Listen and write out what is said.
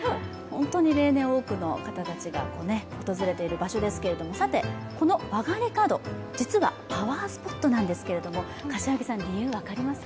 例年多くの方たちが訪れている場所ですけれども、さて、この曲がり角、実はパワースポットなんですけれども、理由、分かりますか？